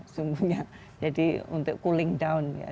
sesungguhnya jadi untuk cooling down ya